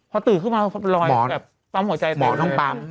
พอตื่นขึ้นมาเขาไปลอยแบบปั๊มหัวใจเต้นเลยหมอต้องปั๊ม